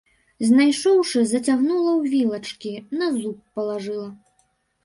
Знайшоўшы, зацягнула ў вілачкі, на зуб палажыла.